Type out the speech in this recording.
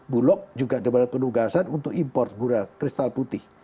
bulog juga ada penugasan untuk import kristal putih